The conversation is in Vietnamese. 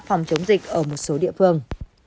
phòng chống dịch ở một số địa phương